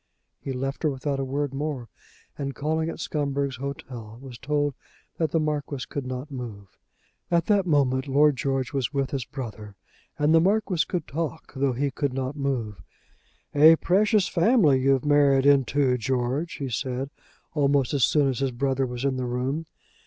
He left her without a word more, and calling at Scumberg's Hotel was told that the Marquis could not move. At that moment Lord George was with his brother, and the Marquis could talk though he could not move. "A precious family you've married into, George," he said, almost as soon as his brother was in the room.